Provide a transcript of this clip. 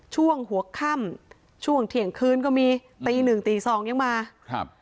ช่วงหัวค่ำช่วงเที่ยงคืนก็มีตีหนึ่งตีสองยังมาครับ